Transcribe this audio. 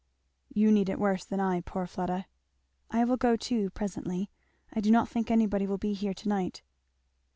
"You need it worse than I, poor Fleda" "I will go too presently I do not think anybody will be here tonight."